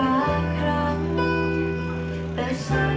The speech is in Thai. ให้เพียงเธอไปร้านไกล